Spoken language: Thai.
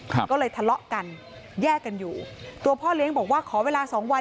ก็เลยทะเลาะกันแยกกันอยู่ตัวพ่อเลี้ยงบอกว่าขอเวลาสองวัน